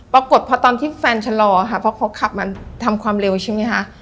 ปรากฏพอตอนที่แฟนฉลอค่ะพอขับมันทำความเร็วใช่มั้ยฮะ